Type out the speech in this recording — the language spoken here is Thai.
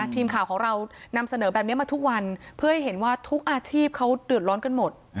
ทีมข่าวของเรานำเสนอแบบนี้มาทุกวันเพื่อให้เห็นว่าทุกอาชีพเขาเดือดร้อนกันหมด